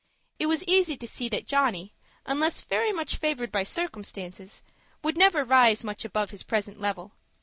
It was easy to see that Johnny, unless very much favored by circumstances, would never rise much above his present level.